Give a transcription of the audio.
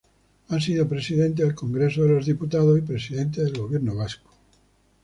Ha sido presidente del Congreso de los Diputados y presidente del Gobierno Vasco.